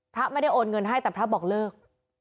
พระไม่ได้โอนเงินให้แต่พระบอกเลิก